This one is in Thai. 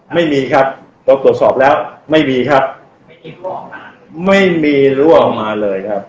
ไม่มีครับเราตรวจสอบแล้วไม่มีครับไม่มีรั่วออกมาเลยครับ